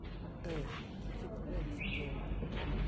เอ้อ ถ้าคิดเรื่องสเกล